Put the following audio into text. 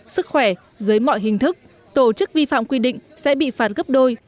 sức khỏe dưới mọi hình thức tổ chức vi phạm quy định sẽ bị phạt gấp đôi